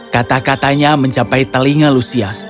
kata katanya mencapai telinga lusias